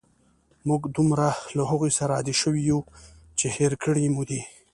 موږ دومره له هغوی سره عادی شوي یو، چې هېر کړي مو دي.